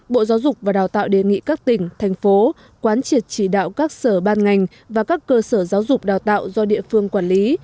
bộ giáo dục và đào tạo đề nghị các tỉnh thành phố quán triệt chỉ đạo các sở ban ngành và các cơ sở giáo dục đào tạo do địa phương quản lý